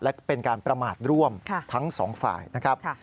และเป็นการประมาทร่วมทั้งสองฝ่ายนะครับ